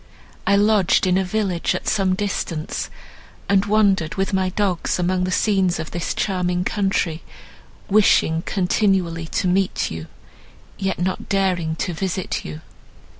I lodged in a village at some distance, and wandered with my dogs, among the scenes of this charming country, wishing continually to meet you, yet not daring to visit you."